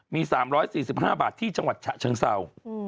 มี๓๔๕บาทที่จังหวัดฉะเชิงเศร้า